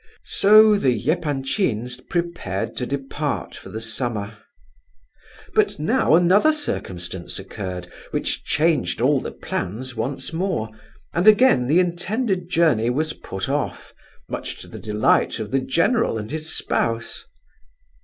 So the Epanchins prepared to depart for the summer. But now another circumstance occurred, which changed all the plans once more, and again the intended journey was put off, much to the delight of the general and his spouse.